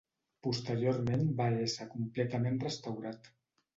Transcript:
Posteriorment va ésser completament restaurat.